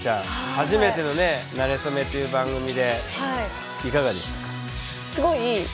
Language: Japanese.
初めてのね「なれそめ」という番組でいかがでしたか？